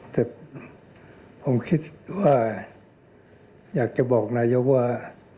แต่ผมคิดว่าอยากจะบอกนายกว่า